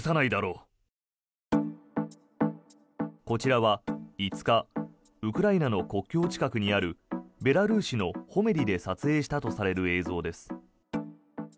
こちらは５日ウクライナの国境近くにあるベラルーシのホメリで撮影したとされる映像です。